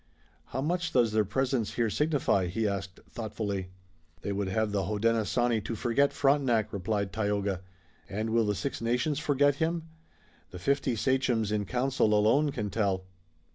"How much does their presence here signify?" he asked thoughtfully. "They would have the Hodenosaunee to forget Frontenac," replied Tayoga. "And will the Six Nations forget him?" "The fifty sachems in council alone can tell."